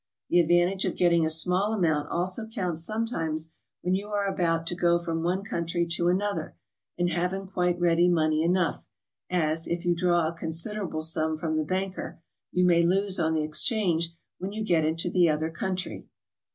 The ad vantage of getting a small amount also counts sometimes when you are about to go from one country to another, and haven't quite ready money enough, as, if you draw a considerable sum from the banker, you may lose on the exchange when you get in^o the other country.